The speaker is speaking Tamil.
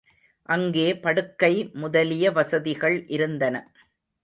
அங்கே படுக்கை முதலிய வசதிகள் இருந்தன.